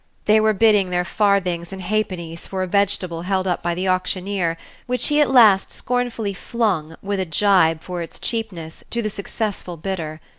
They were bidding their farthings and ha'pennies for a vegetable held up by the auctioneer, which he at last scornfully flung, with a gibe for its cheapness, to the successful bidder.